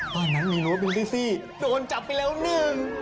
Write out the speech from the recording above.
บ้านนั้นมีรัวบ้านเป็นซี่โดนจับไปแล้วหนึ่ง